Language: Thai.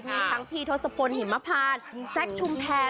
มีทั้งพี่ทศพลหิมพานแซคชุมแพร